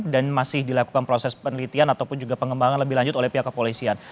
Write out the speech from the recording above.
dan masih dilakukan proses penelitian ataupun juga pengembangan lebih lanjut oleh pihak kepolisian